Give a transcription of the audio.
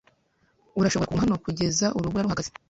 Urashobora kuguma hano kugeza urubura ruhagaze.